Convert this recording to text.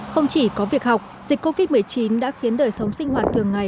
không chỉ có việc học dịch covid một mươi chín đã khiến đời sống sinh hoạt thường ngày